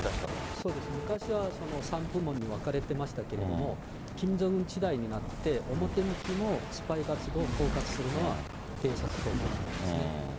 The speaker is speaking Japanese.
そうですね、昔は３部門に分かれてましたけれども、キム・ジョンウン時代になって、表向きのスパイ活動を統括するのは、偵察総局なんですね。